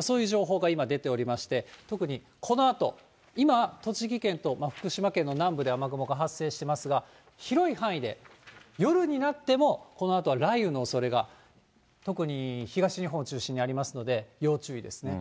そういう情報が今出ておりまして、特にこのあと、今は栃木県と福島県の南部で雨雲が発生してますが、広い範囲で、夜になってもこのあとは雷雨のおそれが、特に東日本を中心にありますので、要注意ですね。